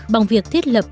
bằng việc thiết lập